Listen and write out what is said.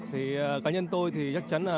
thì cá nhân tôi thì chắc chắn là